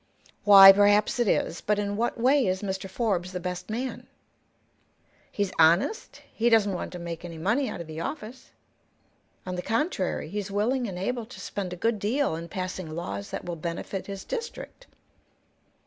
"Why, perhaps it is. But in what way is Mr. Forbes the best man?" "He's honest. He doesn't want to make any money out of the office. On the contrary, he's willing and able to spend a good deal in passing laws that will benefit his district."